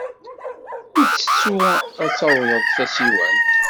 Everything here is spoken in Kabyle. Ur ttettu ad tawyeḍ tasiwant.